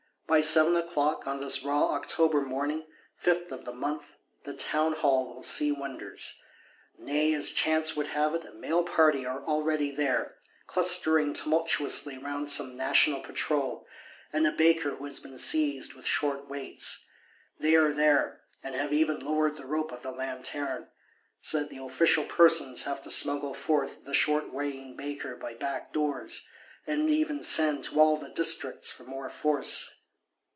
By seven o'clock, on this raw October morning, fifth of the month, the Townhall will see wonders. Nay, as chance would have it, a male party are already there; clustering tumultuously round some National Patrol, and a Baker who has been seized with short weights. They are there; and have even lowered the rope of the Lanterne. So that the official persons have to smuggle forth the short weighing Baker by back doors, and even send "to all the Districts" for more force.